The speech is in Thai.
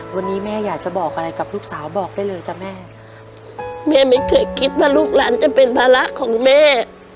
วันนี้แม่อยากจะบอกอะไรกับลูกสาวบอกได้เลยจ้ะแม่แม่ไม่เคยคิดว่าลูกหลานจะเป็นภาระของแม่